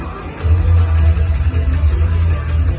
มันเป็นเมื่อไหร่แล้ว